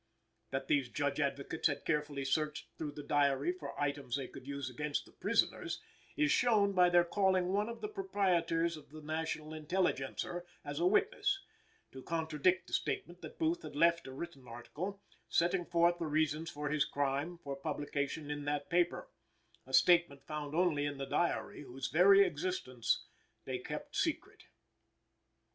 That these Judge Advocates had carefully searched through the diary for items they could use against the prisoners, is shown by their calling one of the proprietors of the "National Intelligencer," as a witness, to contradict the statement that Booth had left a written article, setting forth the reasons for his crime, for publication in that paper a statement found only in the diary whose very existence they kept secret.